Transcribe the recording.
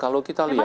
kalau kita lihat